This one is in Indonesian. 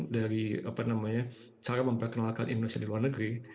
dari cara memperkenalkan indonesia di luar negeri